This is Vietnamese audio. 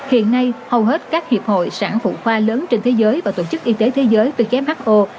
hiện nay hầu hết các hiệp hội sản phụ khoa lớn trên thế giới và tổ chức y tế thế giới who